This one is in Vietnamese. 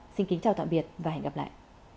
xin kính chào tạm biệt và hẹn gặp lại